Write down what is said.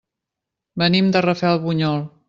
Venim de Rafelbunyol.